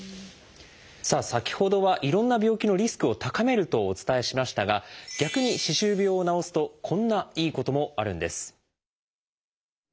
さあ先ほどはいろんな病気のリスクを高めるとお伝えしましたが逆に歯周病を治すとこんないいこともあるんです。